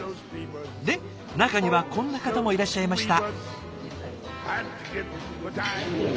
で中にはこんな方もいらっしゃいました。